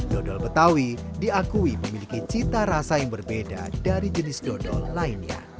dodol betawi diakui memiliki cita rasa yang berbeda dari jenis dodol lainnya